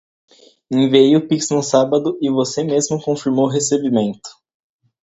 Enviei o pix no sábado e você mesmo confirmou o recebimento.